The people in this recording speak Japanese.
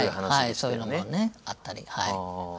そういうのもあったりはい。